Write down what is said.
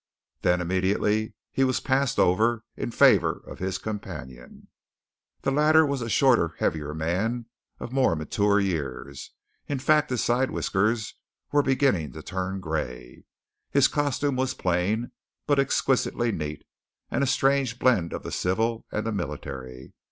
Then immediately he was passed over in favour of his companion. The latter was a shorter, heavier man, of more mature years. In fact his side whiskers were beginning to turn gray. His costume was plain, but exquisitely neat, and a strange blend of the civil and the military.